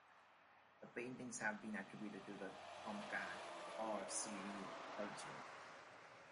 The paintings have been attributed to the Comca'ac or Seri culture.